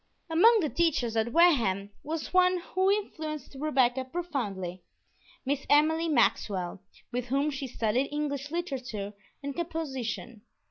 Among the teachers at Wareham was one who influenced Rebecca profoundly, Miss Emily Maxwell, with whom she studied English literature and composition.